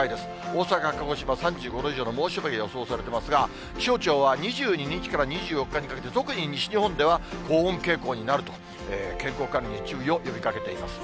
大阪、鹿児島、３５度以上の猛暑日が予想されてますが、気象庁は２２日から２４日にかけて、特に西日本では高温傾向になると、健康管理に注意を呼びかけています。